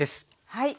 はい。